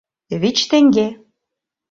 Вич теҥге...